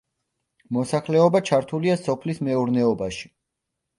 მოსახლეობა ჩართულია სოფლის მეურნეობაში.